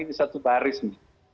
ini satu baris nih